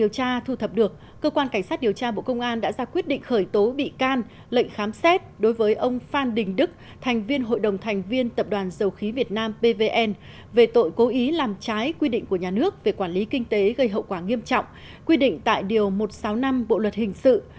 điều tra thu thập được cơ quan cảnh sát điều tra bộ công an đã ra quyết định khởi tố bị can lệnh khám xét đối với ông phan đình đức thành viên hội đồng thành viên tập đoàn dầu khí việt nam pvn về tội cố ý làm trái quy định của nhà nước về quản lý kinh tế gây hậu quả nghiêm trọng quy định tại điều một trăm sáu mươi năm bộ luật hình sự